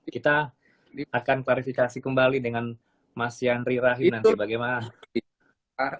kita akan klarifikasi kembali dengan mas yandri rahim nanti bagaimana